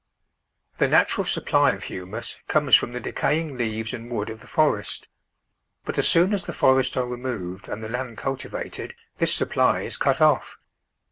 The natural supply of humus comes from the decaying leaves and wood of the forest, but as soon as the forests are removed and the land cultivated this supply is cut off.